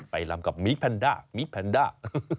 ไปลำกับมีก์แพนด้า